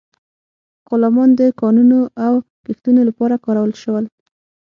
غلامان د کانونو او کښتونو لپاره کارول شول.